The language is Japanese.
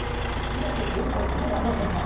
そんなことできるはずないじゃありませんか！